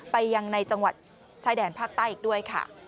ไปยังในจังหวัดชายแดนภาคใต้อีกด้วยค่ะ